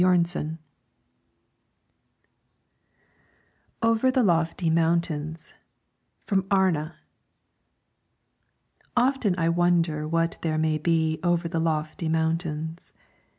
Payne] OVER THE LOFTY MOUNTAINS (From 'Arne') Often I wonder what there may be Over the lofty mountains.